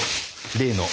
例の。